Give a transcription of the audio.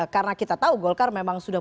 karena kita tahu golkar memang sudah